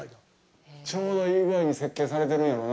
ちょうどいい具合に設計されているんやろうな。